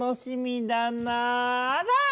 あら！